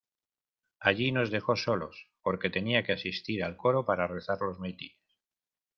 allí nos dejó solos, porque tenía que asistir al coro para rezar los maitines.